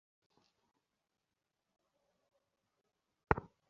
কিন্তু আবদেসালাম গ্রেপ্তারের চার দিনের মাথায় সন্ত্রাসী হামলায় রক্তাক্ত হলো ব্রাসেলস।